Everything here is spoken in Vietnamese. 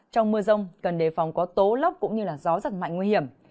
trong mưa rông cần đề phòng có tố lốc cũng như gió giật mạnh nguy hiểm